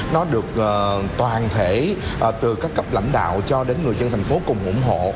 nó được toàn thể từ các cấp lãnh đạo cho đến người dân thành phố cùng ủng hộ